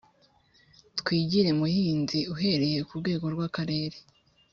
Twigire muhinzi uhereye ku rwego rw Akarere